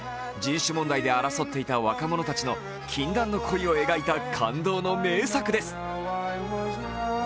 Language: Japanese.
人種問題で争っていた若者たちの禁断の恋を描いた名作です。